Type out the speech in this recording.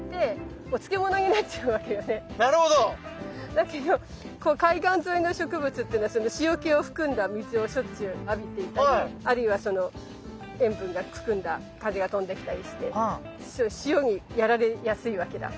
だけど海岸沿いの植物っていうのはその塩気を含んだ水をしょっちゅう浴びていたりあるいはその塩分が含んだ風が飛んできたりして塩にやられやすいわけだ。